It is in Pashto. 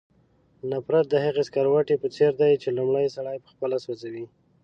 نفرت د هغې سکروټې په څېر دی چې لومړی سړی پخپله سوځوي.